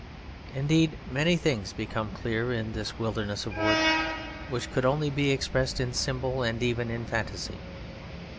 Indeed, many things become clear in this wilderness of wood, which could only be expressed in symbol and even in fantasy.